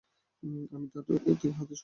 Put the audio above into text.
আমি তার থেকে হাদীস শুনেছিলাম।